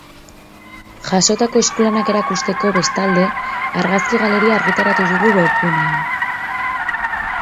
Jasotako eskulanak erakusteko, bestalde, argazki-galeria argitaratu dugu webgunean.